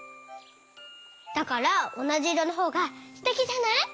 だからおなじいろのほうがすてきじゃない！